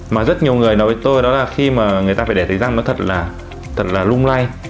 mà rất nhiều người nói với tôi đó là khi mà người ta phải để thấy răng nó thật là lung lay